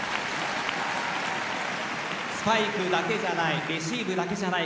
スパイクだけじゃないレシーブだけじゃない